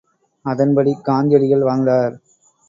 அதன்படி காந்தியடிகள் வாழ்ந்தார்.